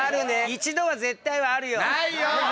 一度は絶対はあるよ。